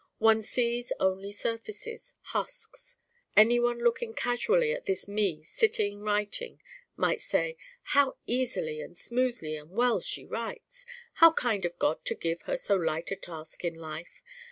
One sees only surfaces, husks. Anyone looking casually at this Me sitting writing might say, 'How easily and smoothly and well she writes. How kind of God to give her so light a task in life.